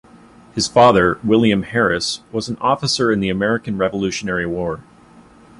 His father, William Harris, was an officer in the American Revolutionary War.